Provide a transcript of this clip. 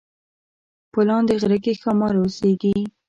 په لاندې غره کې ښامار اوسیږي